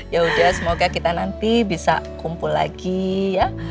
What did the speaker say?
yaudah semoga kita nanti bisa kumpul lagi ya